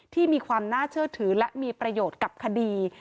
ที่มีความน่าเชื่อถือและมีประโยชน์กับคดี